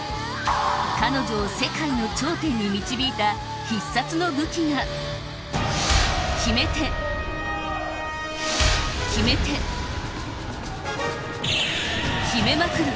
彼女を世界の頂点に導いた必殺の武器が極めて、極めて極めまくる